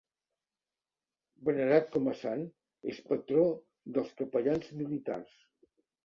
Venerat com a sant, és patró dels capellans militars.